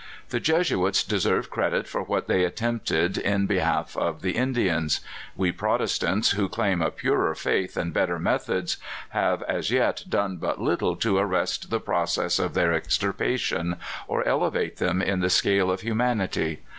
The Jes uits deserve credit for what they attempted in be half of the Indians. We Protestants, who claim a purer faith and better methods, have as yet done but little to arrest the process of their extirpation, or elevate them in the scale of humanity.